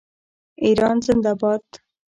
ایران زنده باد.